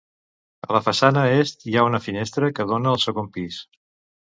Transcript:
A la façana est hi ha una finestra que dona al segon pis.